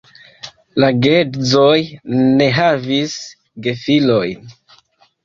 La geedzoj ne havis gefilojn.